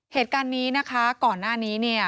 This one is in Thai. เหตุการณ์นี้นะคะก่อนหน้านี้เนี่ย